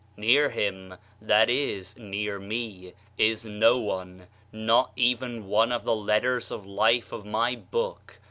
Near him, that is near Me, is no one, not even one of the Letters of Life of My book.